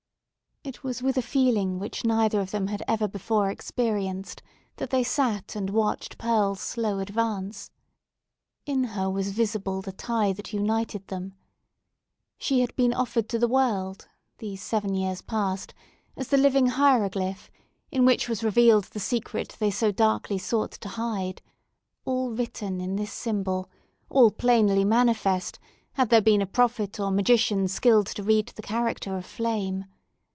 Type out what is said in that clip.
It was with a feeling which neither of them had ever before experienced, that they sat and watched Pearl's slow advance. In her was visible the tie that united them. She had been offered to the world, these seven past years, as the living hieroglyphic, in which was revealed the secret they so darkly sought to hide—all written in this symbol—all plainly manifest—had there been a prophet or magician skilled to read the character of flame!